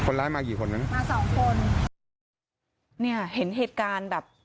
เนี่ยที่เห็นเหตุการณ์แบบ